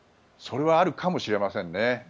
それはあるかもしれませんね。